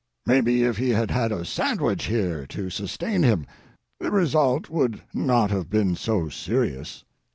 Maybe if he had had a sandwich here to sustain him the result would not have been so serious.